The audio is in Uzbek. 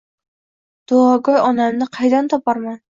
Duoguy onamni qaydan toparman?